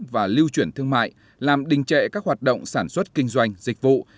và lưu chuyển thương mại làm đình trệ các hoạt động sản xuất kinh doanh dịch vụ